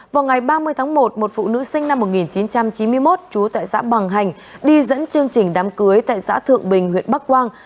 vào ngày ba mươi tháng một một phụ nữ sinh năm một nghìn chín trăm chín mươi một trú tại xã bằng hành đi dẫn chương trình đám cưới tại xã thượng bình huyện bắc quang